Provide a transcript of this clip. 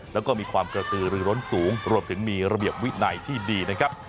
แล้วก็มีความกระตือรือร้นสูงรวมถึงมีระเบียบวินัยที่ดีนะครับ